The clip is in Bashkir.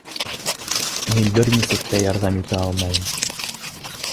Мин бер нисек тә ярҙам итә алмайым.